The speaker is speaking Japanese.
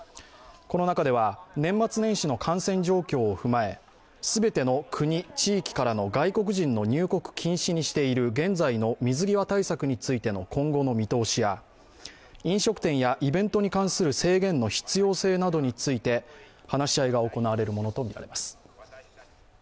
この中で、年末年始の感染状況を踏まえ、全ての国・地域からの外国人の入国禁止にしている現在の水際対策についての今後の見通しや飲食店やイベントに関する制限の必要性などについて話し合いが行われるものとみられます。